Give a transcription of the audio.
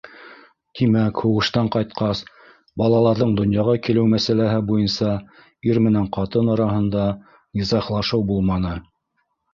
Тимәк, һуғыштан ҡайтҡас, балаларҙың донъяға килеү мәсьәләһе буйынса ир менән ҡатын араһында... низағлашыу булманы?